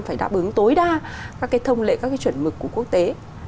phải đáp ứng tối đa các cái thông lệ các cái chuẩn mực của quốc tế